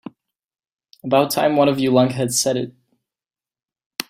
About time one of you lunkheads said it.